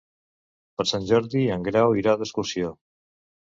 Per Sant Jordi en Grau irà d'excursió.